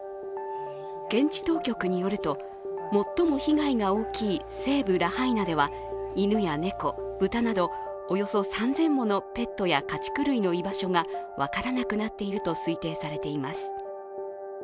現地当局によると最も被害が大きい西部ラハイナでは、犬や猫、豚などおよそ３０００ものペットや家畜類の居場所が分からなくなっていると推定されています。